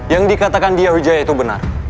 yang dikatakan di yahudjaya itu benar